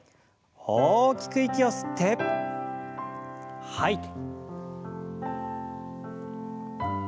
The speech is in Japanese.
大きく息を吸って吐いて。